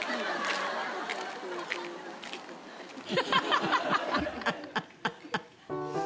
ハハハハ！